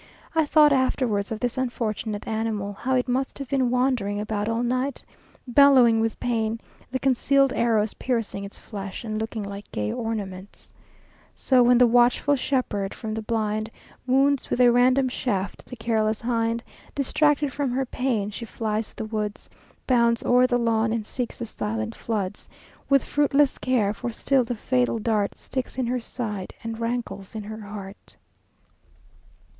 I thought afterwards of this unfortunate animal, how it must have been wandering about all night, bellowing with pain, the concealed arrows piercing its flesh, and looking like gay ornaments; "So, when the watchful shepherd, from the blind, Wounds with a random shaft the careless hind, Distracted with her pain, she flies the woods, Bounds o'er the lawn, and seeks the silent floods With fruitless care; for still the fatal dart Sticks in her side, and rankles in her heart."